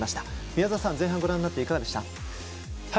宮澤さん、前半ご覧になっていかがでしたか？